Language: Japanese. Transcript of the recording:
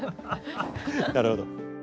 なるほど。